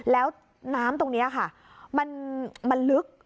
แล้วน้ำตรงนี้ค่ะมันลึก